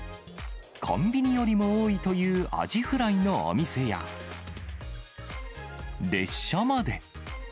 コンビニよりも多いというアジフライのお店や、列車まで。